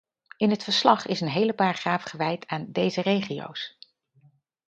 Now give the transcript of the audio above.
In het verslag is een hele paragraaf gewijd aan deze regio's.